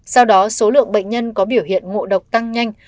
sau đó số lượng bệnh nhân có biểu hiện ngộ độc tăng nhanh